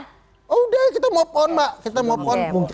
sudah kita move on pak